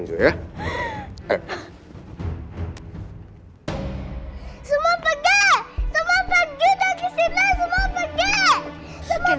semua pergi dari sini